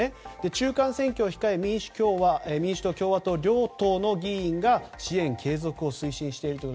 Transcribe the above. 中間選挙を控え民主党・共和党両党の議員が支援継続を推進しているという。